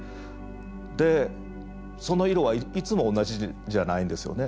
でその色はいつも同じじゃないんですよね。